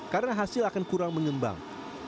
karena hasil akan kurang mengembang